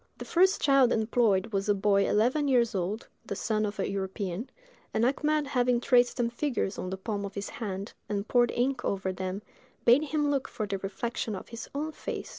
The first child employed was a boy eleven years old, the son of a European; and Achmed having traced some figures on the palm of his hand, and poured ink over them, bade him look for the reflection of his own face.